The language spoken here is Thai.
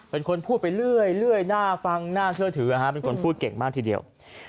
เป็นคนพูดไปเรื่อยน่าฟังน่าเชื่อถือเป็นคนพูดเก่งมากทีเดียว